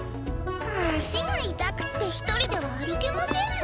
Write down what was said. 足が痛くって一人では歩けませんの。